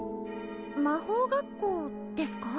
魔法学校ですか？